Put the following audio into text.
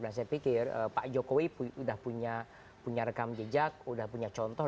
dan saya pikir pak jokowi sudah punya rekam jejak sudah punya contoh